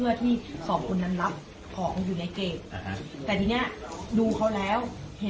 แล้วแล้วก็เลยออกมาก็เลยหักหักกลับมาใช่หักกลับมาแล้วก็